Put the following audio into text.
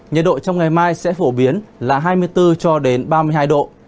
nhiệt độ trong ngày mai sẽ phổ biến là hai mươi bốn cho đến ba mươi hai độ